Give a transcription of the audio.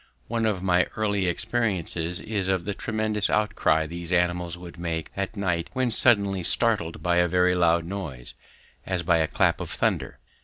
One of my early experiences is of the tremendous outcry these animals would make at night when suddenly startled by a very loud noise, as by a clap of thunder.